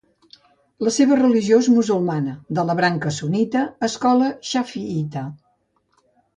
La seva religió és musulmana, de la branca sunnita, escola xafiïta.